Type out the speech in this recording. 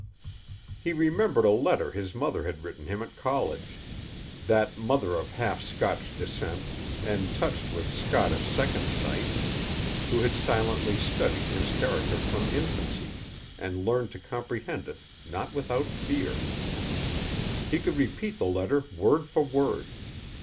He remembered a letter his mother had written him at college that mother of half Scotch descent, and touched with Scottish second sight, who had silently studied his character from infancy, and learned to comprehend it not without fear. He could repeat the letter word for word.